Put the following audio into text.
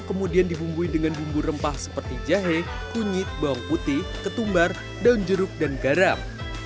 kemudian dibumbui dengan bumbu rempah seperti jahe kunyit bawang putih ketumbar daun jeruk dan garam